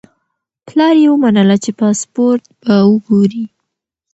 پلار یې ومنله چې پاسپورت به وګوري.